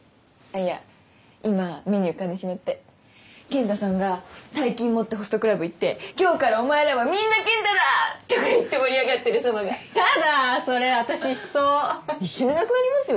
いや今目に浮かんでしまってケンタさんが大金持ってホストクラブ行って「今日からお前らはみんなケンタだ！」とか言って盛り上がってる様がやだーそれ私しそう一瞬でなくなりますよ